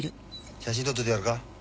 写真撮っといてやるか？